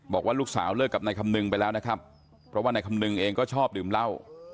บอกว่าลูกสาวเลิกกับนายคำนึงไปแล้วนะครับเพราะว่านายคำนึงเองก็ชอบดื่มเหล้า